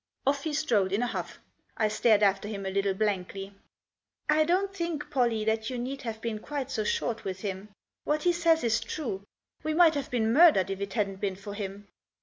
Off he strode in a huff. I stared after him a little blankly. "I don't think, Pollie, that you need have been quite so short with him. What he says is true ; we might have been murdered if it hadn't been for him."